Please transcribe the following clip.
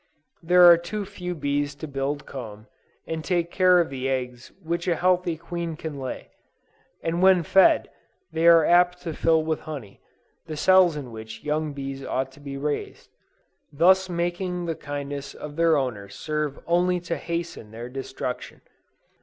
There are too few bees to build comb, and take care of the eggs which a healthy queen can lay; and when fed, they are apt to fill with honey, the cells in which young bees ought to be raised; thus making the kindness of their owner serve only to hasten their destruction.